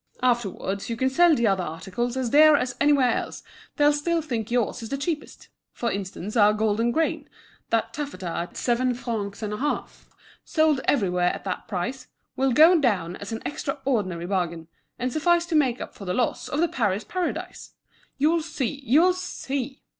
Afterwards, you can sell the other articles as dear as anywhere else, they'll still think yours the cheapest. For instance, our Golden Grain, that taffeta at seven francs and a half, sold everywhere at that price, will go down as an extraordinary bargain, and suffice to make up for the loss on the Paris Paradise. You'll see, you'll see!"